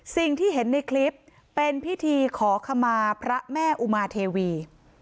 สิ่งที่เห็นในคลิปเป็นพิธีขอขมาพระแม่อุมาเทวี